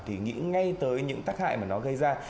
thì nghĩ ngay tới những tác hại mà nó gây ra